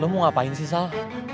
lo mau ngapain sih so